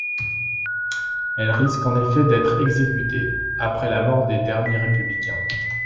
Elles risquent en effet d'être exécutées, après la mort des derniers républicains.